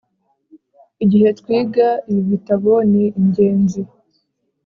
igihe twiga ibi bitabo ni ingenzi